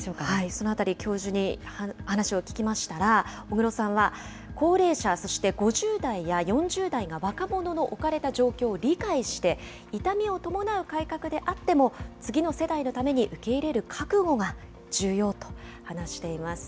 そのあたり、教授に話を聞きましたら、小黒さんは、高齢者、そして５０代や４０代が若者の置かれた状況を理解して、痛みを伴う改革であっても、次の世代のために受け入れる覚悟が重要と話しています。